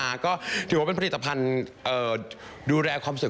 ถือว่าจะเป็นพัติตภัณฑ์ดูแลความสวย